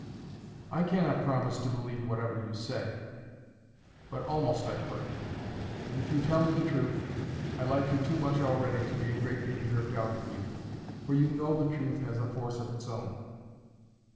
"I cannot promise to believe whatever you say; but almost I could. And if you tell me the truth, I like you too much already to be in great danger of doubting you, for you know the truth has a force of its own."